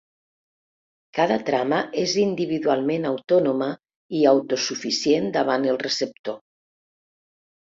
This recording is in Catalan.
Cada trama és individualment autònoma i autosuficient davant el receptor.